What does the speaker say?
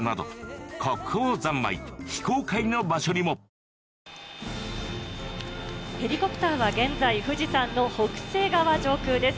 ちょっと一回、ヘリコプターは現在、富士山の北西側上空です。